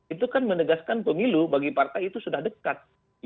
itu kan menegaskan pemilu bagi partai itu sudah dekat